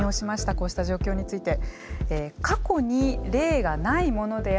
こうした状況について。